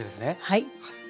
はい。